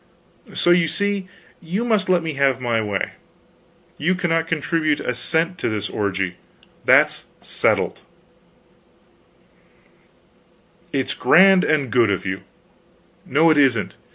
"So you see, you must let me have my way. You can't contribute a cent to this orgy, that's settled." "It's grand and good of you " "No, it isn't.